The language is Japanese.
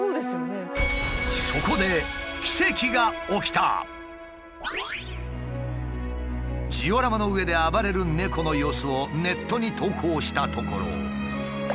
そこでジオラマの上で暴れる猫の様子をネットに投稿したところ。